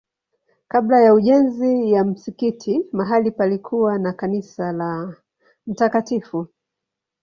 Kabla ya ujenzi wa msikiti mahali palikuwa na kanisa la Mt.